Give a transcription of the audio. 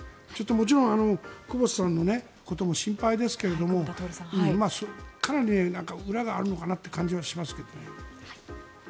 もちろん久保田さんのことも心配ですがかなり裏があるのかなという感じはしますけどね。